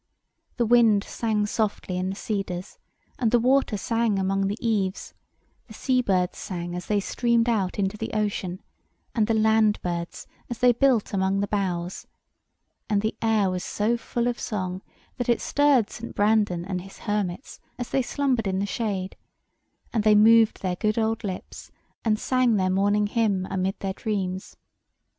The wind sang softly in the cedars, and the water sang among the eaves: the sea birds sang as they streamed out into the ocean, and the land birds as they built among the boughs; and the air was so full of song that it stirred St. Brandan and his hermits, as they slumbered in the shade; and they moved their good old lips, and sang their morning hymn amid their dreams.